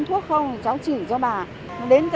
chứ không sử dụng cháu đâu